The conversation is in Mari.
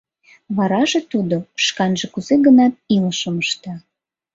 Вараже тудо шканже кузе-гынат илышым ышта.